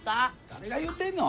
誰が言うてんの？